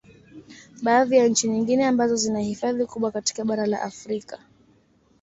Baadhi ya nchi nyingine ambazo zina hifadhi kubwa katika bara la Afrika